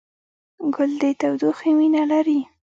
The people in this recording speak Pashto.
ګل د تودوخې مینه لري.